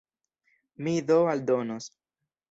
Mi do aldonos.